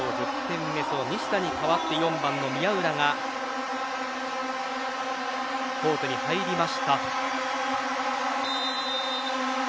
西田に代わって４番の宮浦がコートに入りました。